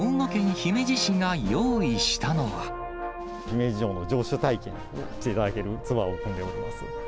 姫路城の城主体験していただけるツアーを組んでおります。